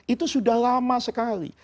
itu sudah lama sekali